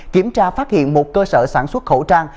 kiểm tra phát hiện một cơ sở sản xuất khẩu trang